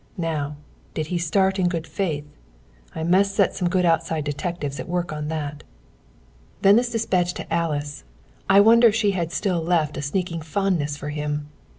Now, did he start in good faith? I must set some good outside detectives at work on that. "Then this dispatch to Alice, I wonder if she had still left a sneaking fondness for him!